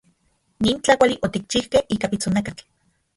Nin tlakuali otikchijkej ika pitsonakatl.